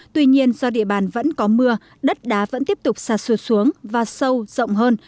tuy nhiên do địa bàn vẫn có mưa đất đá vẫn tiếp tục xa xôi xuống và sâu rộng hơn